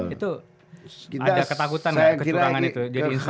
itu ada ketakutan gak kecurangan itu jadi instrumen negara